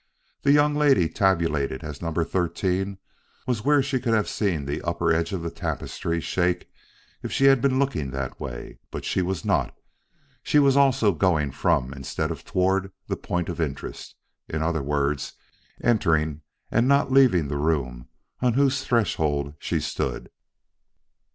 The young lady tabulated as No. 13 was where she could have seen the upper edge of the tapestry shake if she had been looking that way; but she was not. She also was going from instead of toward the point of interest in other words, entering and not leaving the room on whose threshold she stood.